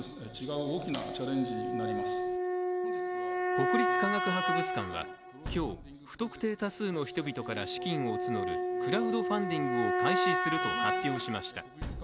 国立科学博物館は今日、不特定多数の人々から資金を募るクラウドファンディングを開始すると発表しました。